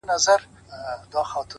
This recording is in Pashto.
اوس د شپې سوي خوبونه زما بدن خوري”